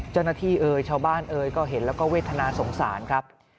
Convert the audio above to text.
เจ้าหน้าที่เอยเช้าบ้านเอยก็เห็นแล้วก็เวทนาสงสารครับ